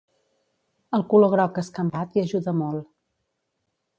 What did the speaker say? El color groc escampat hi ajuda molt.